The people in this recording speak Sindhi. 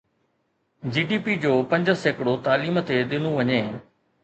جي ڊي پي جو پنج سيڪڙو تعليم تي ڏنو وڃي